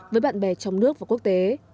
với bạn bè trong nước và quốc tế